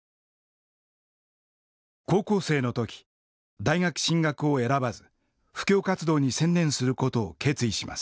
高校生の時大学進学を選ばず布教活動に専念することを決意します。